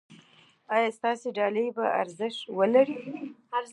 ایا ستاسو ډالۍ به ارزښت ولري؟